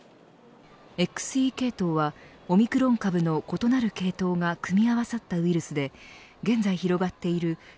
ＸＥ系統はオミクロン株の異なる系統が組み合わさったウイルスで現在広がっているＢＡ．